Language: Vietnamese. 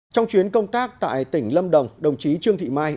trong chuyến công tác tại tỉnh lâm đồng đồng chí trương thị mai